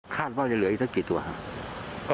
คาดภาพเกินเหลืออีกสักกี่ตัวครับ